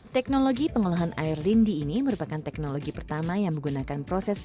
teknologi pengolahan air lindi ini merupakan teknologi pertama yang menggunakan proses